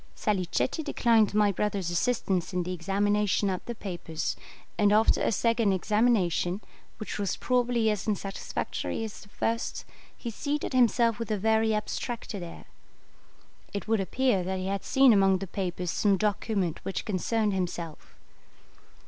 Salicetti declined my brother's assistance in the examination of the papers, and after a second examination, which was probably as unsatisfactory as the first, he seated himself with a very abstracted air. It would appear that he had seen among the papers some document which concerned himself.